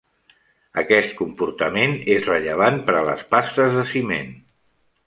Aquest comportament és rellevant per a les pastes de ciment.